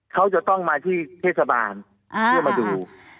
เขาจะต้องมาที่เทศบาลเพื่อมาดู